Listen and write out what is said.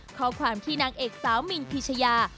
ข้อความที่นางเอกสาวมินพิชยา